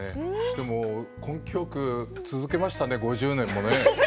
でも根気よく続けましたね５０年も。